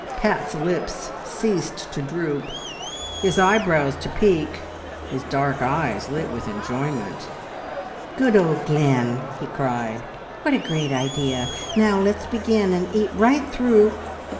Pat's lips ceased to droop, his eyebrows to peak: his dark eyes lit with enjoyment. "Good old Glynn!" he cried. "What a great idea! Now let's begin, and eat right through..."